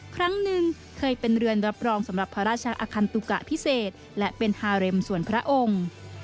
ครั้งหนึ่งเคยเป็นเรือนรับรองสำหรับพระราชอคันตุกะพิเศษและเป็นฮาเรมส่วนพระองค์